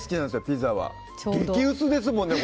ピザは激薄ですもんね